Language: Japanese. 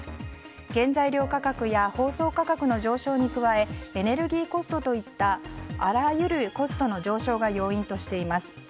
原材料価格や包装価格の上昇に加えエネルギーコストといったあらゆるコストの上昇が要因としています。